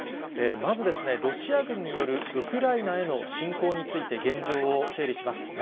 まず、ロシア軍によるウクライナへの侵攻について、現状を整理します。